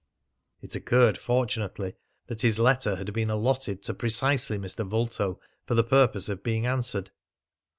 It occurred fortunately that his letter had been allotted to precisely Mr. Vulto for the purpose of being answered.